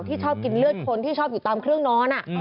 ชอบกินเลือดคนที่ชอบอยู่ตามเครื่องนอน